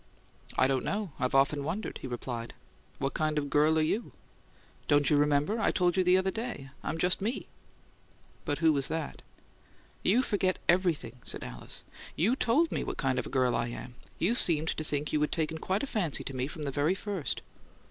"I don't know; I've often wondered," he replied. "What kind of girl are you?" "Don't you remember? I told you the other day. I'm just me!" "But who is that?" "You forget everything;" said Alice. "You told me what kind of a girl I am. You seemed to think you'd taken quite a fancy to me from the very first."